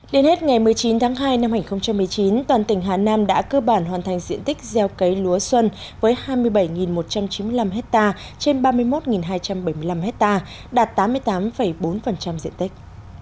đến hết ngày một mươi chín tháng hai năm hai nghìn một mươi chín toàn tỉnh hà nam đã cơ bản hoàn thành diện tích gieo cấy lúa xuân với hai mươi bảy một trăm chín mươi năm hectare trên ba mươi một hai trăm bảy mươi năm hectare đạt tám mươi tám bốn diện tích